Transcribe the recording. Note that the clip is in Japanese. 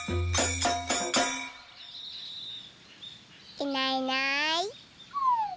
いないいない。